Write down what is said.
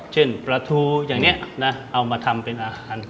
ปลาทูอย่างนี้นะเอามาทำเป็นอาหาร